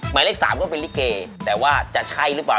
หมายเลข๓ก็เป็นลิเกแต่ว่าจะใช่หรือเปล่า